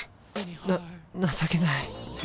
な情けない。